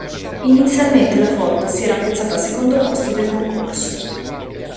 Inizialmente la Ford si era piazzata al secondo posto del concorso.